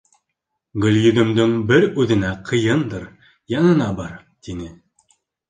Гөлйөҙөмдөң бер үҙенә ҡыйындыр, янына бар, тине.